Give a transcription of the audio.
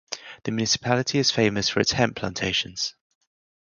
The municipality is famous for its hemp plantations.